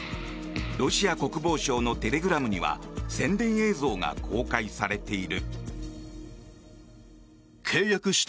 ロシア国防省のテレグラムには宣伝映像が公開されている。